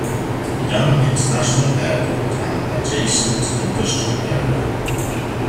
Young International Airport and an adjacent industrial area.